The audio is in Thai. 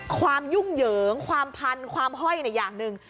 ความยุ่งเหยิงความพันธุ์ความห้อยเนี่ยอย่างหนึ่ง